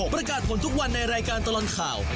ประกาศผลทุกวันในรายการตลอดข่าว